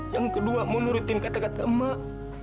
yang kedua mau menurutin kata kata mak